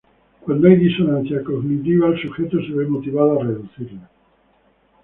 Cuando hay disonancia cognitiva, el sujeto se ve motivado a reducirla.